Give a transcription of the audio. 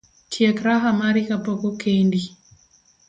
Tiek raha mari kapok okendi